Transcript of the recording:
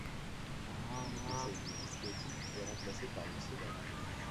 Le Conseil législatif est remplacé par le Sénat.